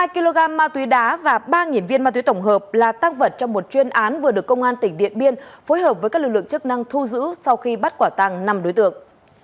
hai kg ma túy đá và ba viên ma túy tổng hợp là tăng vật trong một chuyên án vừa được công an tỉnh điện biên phối hợp với các lực lượng chức năng thu giữ sau khi bắt quả tăng năm đối tượng